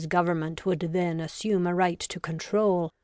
Government would then assume a right to control.